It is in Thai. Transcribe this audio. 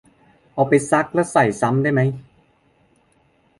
เอาไปซักแล้วใส่ซ้ำได้ไหม